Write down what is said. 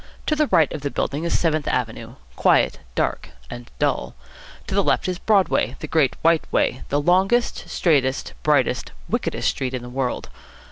To the right of the building is Seventh Avenue, quiet, dark, and dull. To the left is Broadway, the Great White Way, the longest, straightest, brightest, wickedest street in the world.